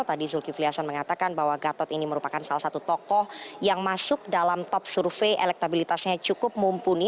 tadi zulkifli hasan mengatakan bahwa gatot ini merupakan salah satu tokoh yang masuk dalam top survei elektabilitasnya cukup mumpuni